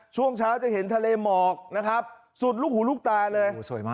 ช่วงเช้าจะเห็นทะเลหมอกนะครับสุดลูกหูลูกตาเลย